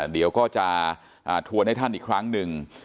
เดี๋ยวก็จะทวนให้ท่านอีกครั้งหนึ่ง